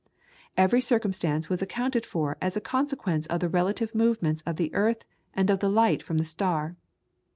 Every circumstance was accounted for as a consequence of the relative movements of the earth and of the light from the star.